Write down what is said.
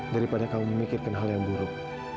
daripada kamu memikirkan hal yang buruk